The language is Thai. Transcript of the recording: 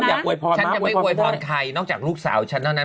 ฉันจะไม่โหยผ่อนใครน่าจากลูกสาวฉันเนาะนั้น